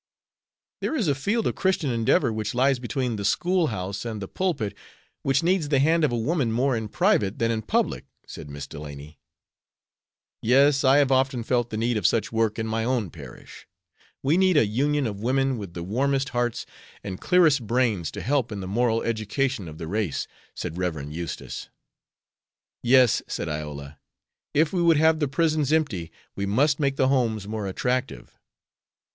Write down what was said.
"There is a field of Christian endeavor which lies between the school house and the pulpit, which needs the hand of a woman more in private than in public," said Miss Delany. "Yes, I have often felt the need of such work in my own parish. We need a union of women with the warmest hearts and clearest brains to help in the moral education of the race," said Rev. Eustace. "Yes," said Iola, "if we would have the prisons empty we must make the homes more attractive."